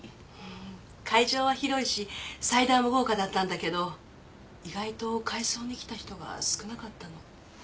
会場は広いし祭壇も豪華だったんだけど意外と会葬に来た人が少なかったの。